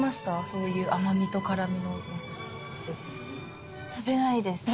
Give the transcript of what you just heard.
そういう甘みと辛みのわさび。